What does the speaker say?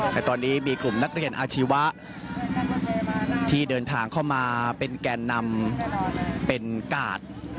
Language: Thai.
แต่ตอนนี้มีกลุ่มนักเรียนอาชีวะที่เดินทางเข้ามาเป็นแก่นำเป็นกาด